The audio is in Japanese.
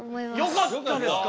よかったですか。